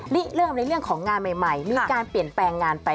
เริ่มในเรื่องของงานใหม่มีการเปลี่ยนแปลงงานไป